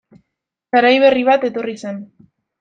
Garai berri bat etorri zen...